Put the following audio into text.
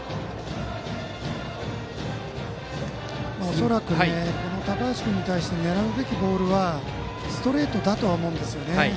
恐らく高橋君に対して狙うべきボールはストレートだとは思うんですよね。